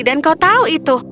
dan kau tahu itu